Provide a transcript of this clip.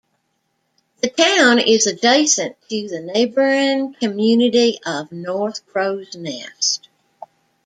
The town is adjacent to the neighboring community of North Crows Nest.